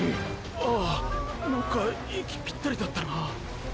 ああなんか息ぴったりだったな。